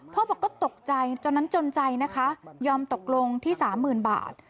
พ่อบอกก็ตกใจตอนนั้นจนใจนะคะยอมตกลงที่สามหมื่นบาท